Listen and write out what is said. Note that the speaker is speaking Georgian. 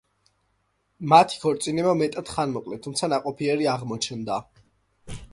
მათი ქორწინება მეტად ხანმოკლე, თუმცა ნაყოფიერი აღმოჩნდა.